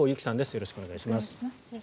よろしくお願いします。